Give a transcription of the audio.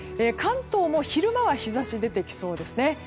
関東も昼間は日差しが出てきそうです。